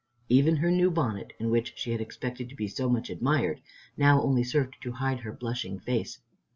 Even her new bonnet, in which she had expected to be so much admired, now only served to hide her blushing face.